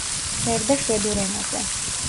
წერდა შვედურ ენაზე.